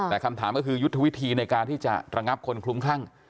แต่คำถามก็คือยุทธวิธีในการที่จะระงับคนคลุ้มคลั่ง